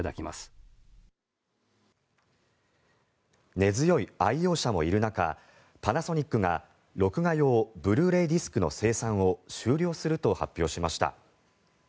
根強い愛用者もいる中パナソニックが録画用ブルーレイディスクの生産を終了すると発表しました。